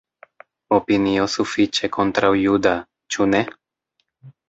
Opinio sufiĉe kontraŭ-juda, ĉu ne?